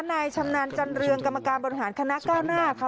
นายชำนาญจันเรืองกรรมการบริหารคณะก้าวหน้าค่ะ